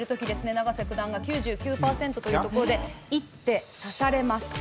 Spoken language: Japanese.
永瀬九段が９９％というところで一手指されます。